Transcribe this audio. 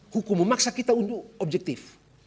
hukum memaksa kita untuk objektif